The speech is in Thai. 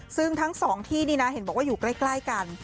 ซึ่งทั้งสองที่นี่นะเห็นบอกว่าอยู่ใกล้กัน